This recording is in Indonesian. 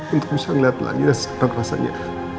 untuk bisa ngeliat lagi dan sedang rasanya